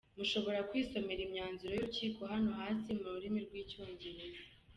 Mushobora kwisomera imyanzuro y’urukiko hano hasi mu rurimi rw’icyongereza: